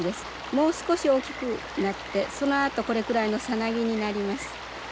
もう少し大きくなってそのあとこれくらいのサナギになります。